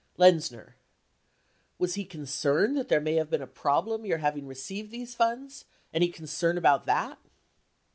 Lenzner. Was he concerned that there may have been a problem your having received these funds — any concern about that?